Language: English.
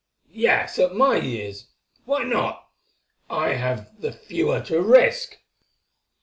"Yes, at my years. Why not? I have the fewer to risk."